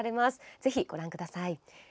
ぜひ、ご覧ください。